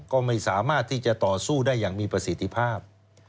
ก็ไม่สามารถที่จะต่อสู้ได้อย่างมีประสิทธิภาพ